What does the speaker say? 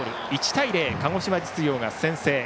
１対０、鹿児島実業が先制。